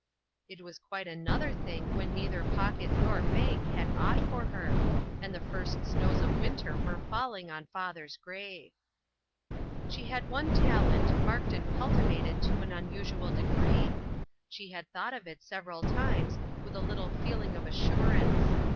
It was quite another thing when neither pocket nor bank had aught for her, and the first snows of winter were falling on the father's grave. She had one talent, marked and cultivated to an unusual degree. She had thought of it several times with a little feeling of assur ance.